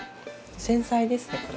繊細ですねこれ。